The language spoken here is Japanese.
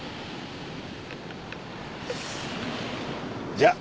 じゃあ。